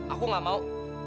aku gak mau